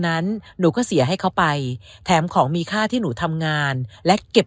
นั้นหนูก็เสียให้เขาไปแถมของมีค่าที่หนูทำงานและเก็บ